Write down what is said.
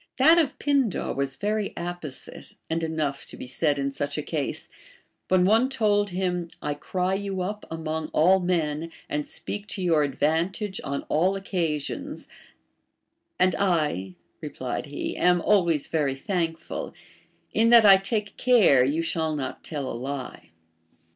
That of Pindar was very apposite, and enough to be said in such a case : Avhen one told him, I cry you up among all men, and speak to your adA^antage on all occa sions ; and I, replied he, am always very thankful, in that I take care you shall not tell a lie.